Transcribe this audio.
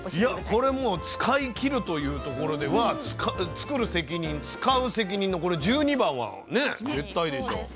これ使い切るというところでは「つくる責任つかう責任」の１２番は絶対でしょ。